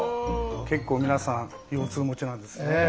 結構皆さん腰痛持ちなんですね。